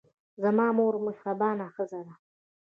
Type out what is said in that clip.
زما مور مهربانه ښځه ده.